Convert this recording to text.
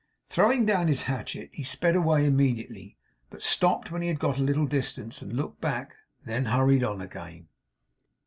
Throwing down his hatchet, he sped away immediately, but stopped when he had got a little distance, and looked back; then hurried on again.